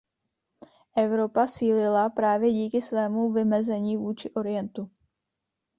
Evropa sílila právě díky svému vymezení vůči Orientu.